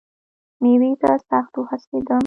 مېوې ته سخت وهوسېدم .